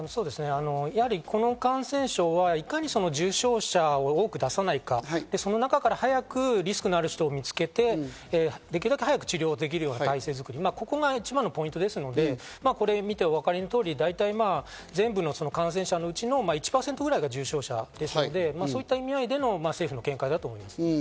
やはりこの感染症はいかに重症者を多く出さないか、その中から早くリスクのある人を見つけて、できるだけ早く治療できる体制づくり、ここが一番のポイントですので、これを見てお分かりの通り、大体全部の感染者のうちの１％くらいが重症者ですので、そういった意味での政府の見解だと思います。